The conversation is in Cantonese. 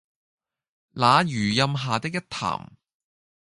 那榆蔭下的一潭